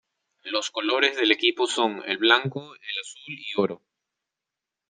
Los colores del equipo son el blanco, el azul y oro.